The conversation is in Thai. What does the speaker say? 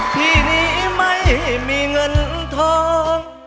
ที่นี้ไม่มีเงินทอง